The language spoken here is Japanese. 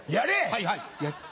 はいはい。